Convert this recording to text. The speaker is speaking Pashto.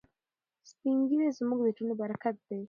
سپین ږیري زموږ د ټولنې برکت دی.